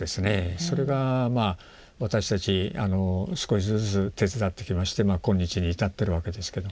それが私たち少しずつ手伝ってきまして今日に至ってるわけですけど。